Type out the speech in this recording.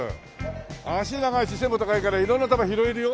脚長いし背も高いから色んな球拾えるよ。